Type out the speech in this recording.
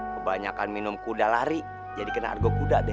kebanyakan minum kuda lari jadi kena argo kuda deh